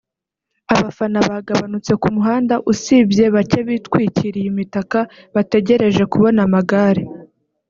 abafana bagabanutse ku muhanda usibye bake bitwikiriye imitaka bategereje kubona amagare